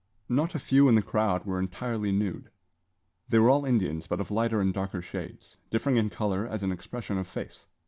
Not a few in the crowd were entirely nude. They were all Indians, but of lighter and darker shades; differing in colour as in expression of face.